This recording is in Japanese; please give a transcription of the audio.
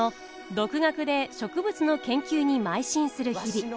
独学で植物の研究にまい進する日々。